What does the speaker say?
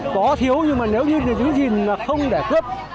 có thiếu nhưng mà nếu như dưới gìn mà không để cướp